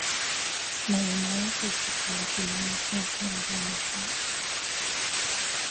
Molinares was declared the new champion by knock out.